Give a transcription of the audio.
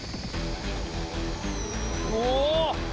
お！